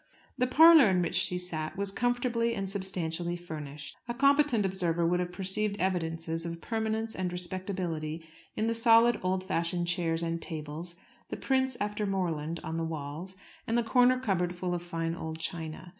The parlour in which she sat was comfortably and substantially furnished. A competent observer would have perceived evidences of permanence and respectability in the solid, old fashioned chairs and tables, the prints after Morland on the walls, and the corner cupboard full of fine old china.